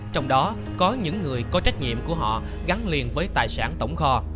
trong đó có những người có trách nhiệm của họ gắn liền với tài sản tổng kho